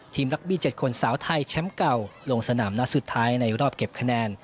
ลักบี้๗คนสาวไทยแชมป์เก่าลงสนามนัดสุดท้ายในรอบเก็บคะแนน